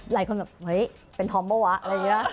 หลายคนแบบเฮ้ยเป็นธอมเปล่าวะอะไรอย่างนี้